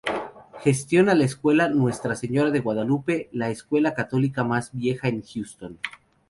Gestiona la Escuela Nuestra Señora de Guadalupe, la escuela católica más vieja en Houston.